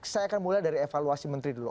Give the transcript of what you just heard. saya akan mulai dari evaluasi menteri dulu